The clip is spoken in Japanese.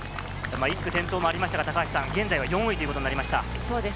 １区転倒もありましたが、現在は４位ということになりました。